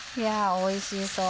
おいしそう！